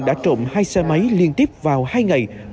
đã trộm hai xe máy liên tiếp vào hai ngày